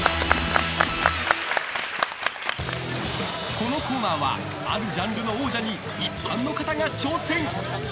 このコーナーはあるジャンルの王者に一般の方が挑戦。